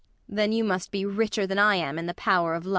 ] Then you must be richer than I am in the power of love.